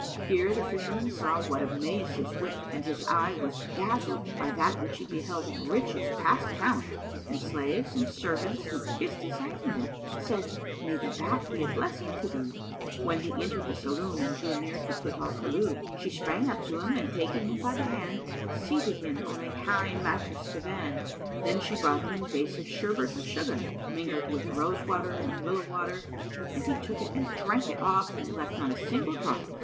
Here the Fisherman saw what amazed his wit, and his eye was dazzled by that which he beheld of riches past count and slaves and servants, who kissed his hand and said, "May the bath be a blessing to thee!"[FN#293] When he entered the saloon and drew near unto Kut al Kulub, she sprang up to him and taking him by the hand, seated him on a high mattrassed divan. Then she brought him a vase of sherbet of sugar, mingled with rosewater and willow water, and he took it and drank it off and left not a single drop.